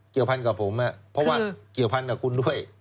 เกี่ยวพันกับผมเพราะว่าเกี่ยวพันกับคุณด้วย